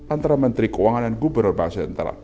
antara menteri keuangan dan gubernur bangsa antara